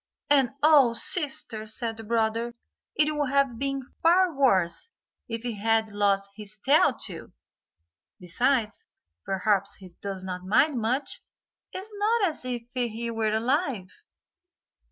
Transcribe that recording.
"And oh, sister," said the brother, "it would have been far worse if he had lost his tail too. Besides, perhaps he does not mind much; it is not as if he were alive."